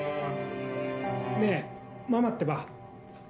ねえ、ママってば。